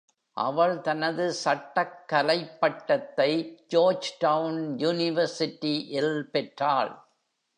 அவள் தனது சட்டக்கலைப் பட்டத்தை Georgetown University இல் பெற்றாள்.